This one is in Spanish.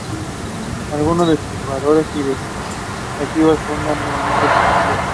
Algunos de sus jugadores y directivos fundaron el Unión Sport Club.